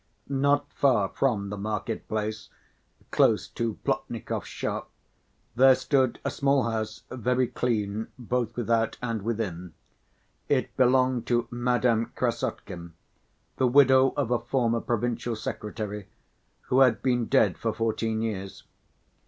Not far from the market‐place, close to Plotnikov's shop, there stood a small house, very clean both without and within. It belonged to Madame Krassotkin, the widow of a former provincial secretary, who had been dead for fourteen years.